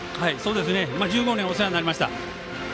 １５年お世話になりました。